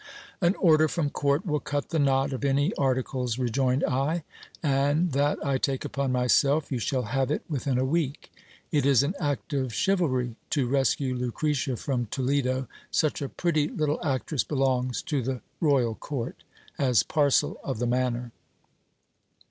An order from court will cut the knot of any ar ticles, rejoined I ; ^and that I take upon myself : you shall have it within a week. It is an act of chivalry to rescue Lucretia from Toledo : such a pretty little actress belongs to the royal court, as parcel of the manor.